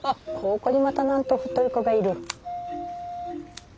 ここにまたなんと太い子がいる。